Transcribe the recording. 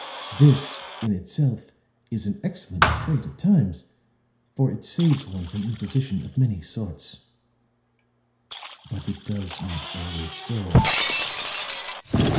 This in itself is an excellent trait at times, for it saves one from imposition of many sorts. But it does not always serve."